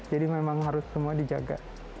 jadi memang harus semua dijaga